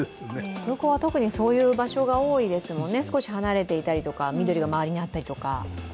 空港は特にそういう場所が多いですもんね、少し離れていたり緑が周りにあったり。